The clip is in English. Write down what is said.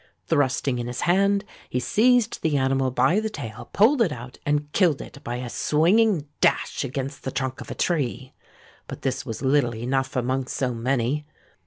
Thrusting in his hand, he seized the animal by the tail, pulled it out, and killed it by a swinging dash against the trunk of a tree. But this was little enough among so many.